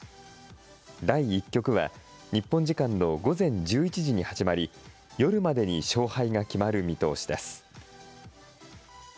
第１局は、日本時間の午前１１時に始まり、夜までに勝敗が決まる見通しです。